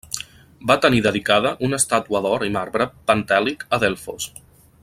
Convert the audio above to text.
Va tenir dedicada una estàtua d'or i marbre pentèlic a Delfos.